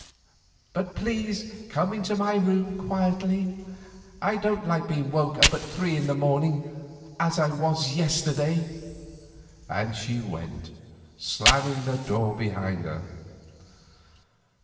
But please come into my room quietly; I don't like being woke up after three in the morning, as I was yesterday." And she went, slamming the door behind her.